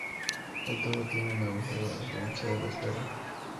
El toro tiene un "agujero", a diferencia de la esfera.